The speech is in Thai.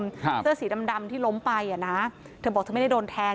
ครับเสื้อสีดำดำที่ล้มไปอ่ะนะเธอบอกเธอไม่ได้โดนแทง